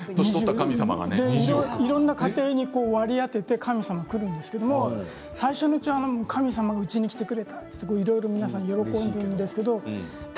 いろんな過程に割り当てて神様がくるんですけど神様がうちに来てくれたといろいろ皆さん喜んでくれるんですけどね